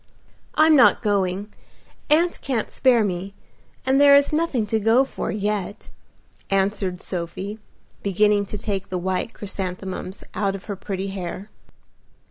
"I'm not going. Aunt can't spare me, and there is nothing to go for yet," answered Sophie, beginning to take the white chrysanthemums out of her pretty hair.